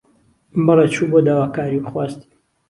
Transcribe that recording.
بەڵی، چوو بۆ داواکاری و خواستی